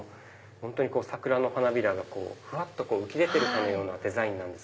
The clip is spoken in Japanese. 本当に桜の花びらがふわっと浮き出てるかのようなデザイン。